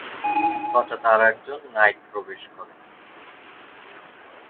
হঠাৎ, আরেকজন নাইট প্রবেশ করে।